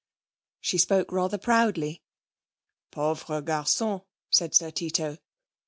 She spoke rather proudly. 'Pauvre garçon!' said Sir Tito.